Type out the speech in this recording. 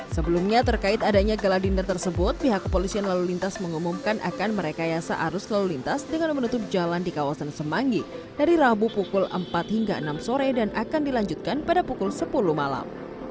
sebelumnya terkait adanya gala diner tersebut pihak kepolisian lalu lintas mengumumkan akan merekayasa arus lalu lintas dengan menutup jalan di kawasan semanggi dari rabu pukul empat hingga enam sore dan akan dilanjutkan pada pukul sepuluh malam